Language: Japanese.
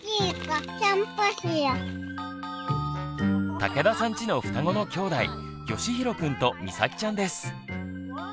武田さんちの双子のきょうだいよしひろくんとみさきちゃんです。